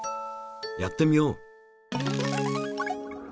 やってみよう。